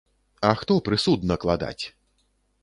А хто прысуд накладаць?